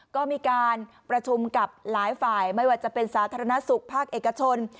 ก็มีการประชุมกับหลายฝ่ายไม่ว่าจะเป็นสาธารณสุขภาคเอกชน